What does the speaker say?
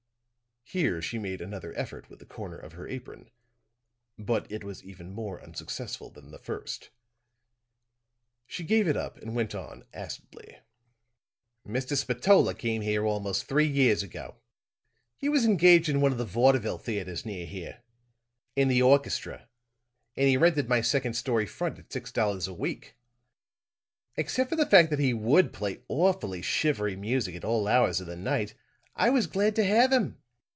Here she made another effort with the corner of her apron; but it was even more unsuccessful than the first. She gave it up and went on acidly. "Mr. Spatola came here almost three years ago. He was engaged in one of the vaudeville theaters near here in the orchestra and he rented my second story front at six dollars a week. Except for the fact that he would play awfully shivery music at all hours of the night, I was glad to have him.